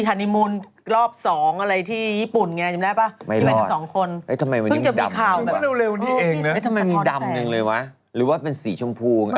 ทำไมมีดำหนึ่งเลยวะหรือว่าเป็นสีชมพู